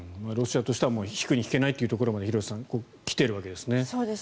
ロシアとしては引くに引けないというところまで来ているわけですね。